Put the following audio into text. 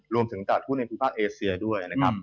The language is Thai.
รวมถึงในภูมิภาคเอเชียวนี้